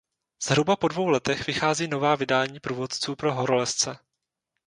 Zhruba po dvou letech vychází nová vydání průvodců pro horolezce.